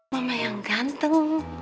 mama yang ganteng